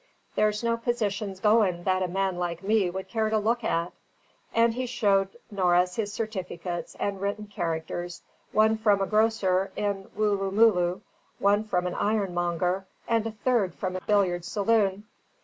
There's no positions goin' that a man like me would care to look at." And he showed Norris his certificates and written characters, one from a grocer in Wooloomooloo, one from an ironmonger, and a third from a billiard saloon.